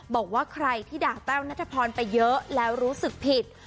บอกว่าใครที่ด่าแต้วนัทพรไปเยอะแล้วรู้สึกผิด